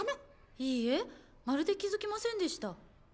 いいえまるで気付きませんでした。